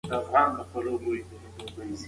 ټولنیز تعامل د اړیکو د پرې کېدو لامل نه کېږي.